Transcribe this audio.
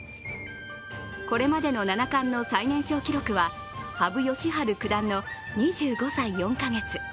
これまでの七冠の最年少記録は羽生善治九段の２５歳４か月。